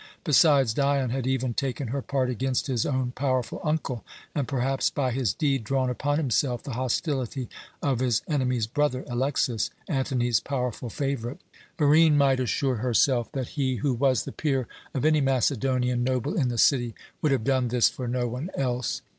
Besides, Dion had even taken her part against his own powerful uncle, and perhaps by his deed drawn upon himself the hostility of his enemy's brother, Alexas, Antony's powerful favourite. Barine might assure herself that he, who was the peer of any Macedonian noble in the city, would have done this for no one else.